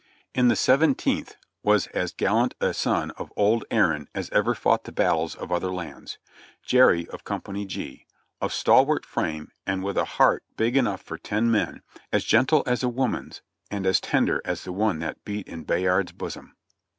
In the Seventeenth was as gallant a son of "Old Erin" as ever fought the battles of other lands — Jerry, of Com pany G; of stalwart frame, and with a heart big enough for ten men, as gentle as a woman's and as tender as the one that beat in Bayard's bosom.